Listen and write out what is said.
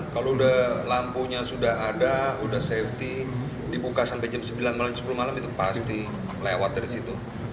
kalau udah lampunya sudah ada sudah safety dibuka sampai jam sembilan malam sepuluh malam itu pasti lewat dari situ